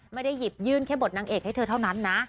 ไม่ได้หยิบยื่นแค่บทนางเอกให้เธอเท่านั้นนะ